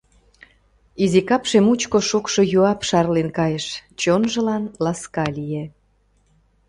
Изи капше мучко шокшо юап шарлен кайыш, чонжылан ласка лие.